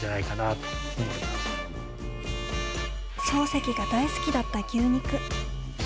漱石が大好きだった牛肉。